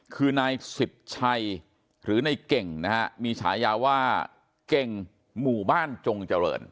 คือนายสิทธิ์ชัยหรือในเก่งนะฮะมีฉายาว่าเก่งหมู่บ้านจงเจริญ